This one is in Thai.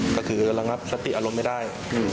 ก็คือก็หลังจากรู้ว่าสติอารมณ์ไม่ได้